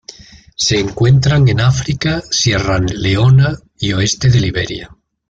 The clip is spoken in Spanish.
Se encuentran en África: Sierra Leona y oeste de Liberia.